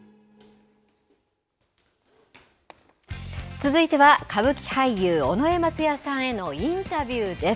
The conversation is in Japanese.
続いては歌舞伎俳優尾上松也さんへのインタビューです。